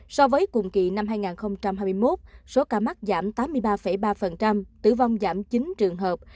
so với cùng kỳ năm hai nghìn hai mươi một số ca mắc giảm tám mươi ba ba tử vong giảm chín trường hợp